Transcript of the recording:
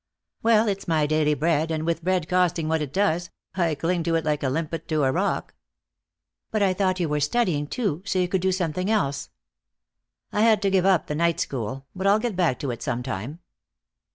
"Well, it's my daily bread, and with bread costing what it does, I cling to it like a limpet to a rock." "But I thought you were studying, so you could do something else." "I had to give up the night school. But I'll get back to it sometime."